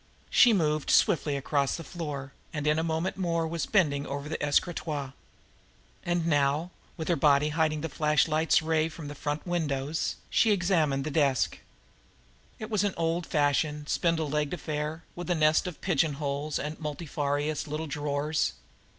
She moved swiftly across the floor, and in a moment more was bending over the escritoire. And now, with her body hiding the flashlight's rays from the front windows, she examined the desk. It was an old fashioned, spindle legged affair, with a nest of pigeonholes and multifarious little drawers.